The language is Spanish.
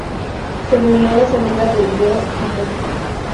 Se eliminó la salida de video compuesto.